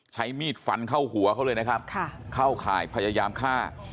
ใช้มีดฟันเข้าหัวเขาเลยนะครับเข้าข่ายพยายามฆ่า